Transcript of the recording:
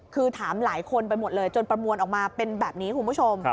คือถามหลายคนไปหมดเลยจนประมวลออกมาเป็นแบบนี้คุณผู้ชม